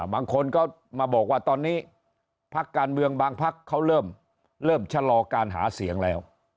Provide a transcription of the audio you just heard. บางคนก็มาบอกว่าตอนนี้พักการเมืองบางพักเขาเริ่มชะลอการหาเสียงแล้ว